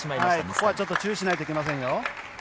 ここは注意しないといけませんよ。